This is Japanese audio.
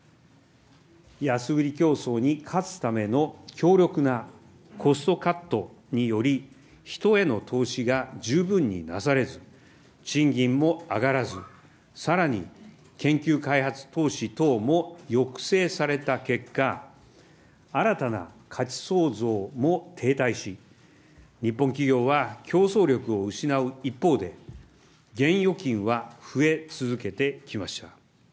安売り競争に勝つための強力なコストカットにより、人への投資が十分になされず、賃金も上がらず、さらに研究開発投資等も抑制された結果、新たな価値創造も停滞し、日本企業は競争力を失う一方で、現預金は増え続けてきました。